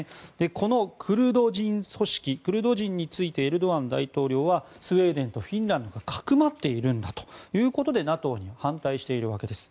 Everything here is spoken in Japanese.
このクルド人組織クルド人についてエルドアン大統領はスウェーデンとフィンランドがかくまっているんだということでＮＡＴＯは反対しているわけです。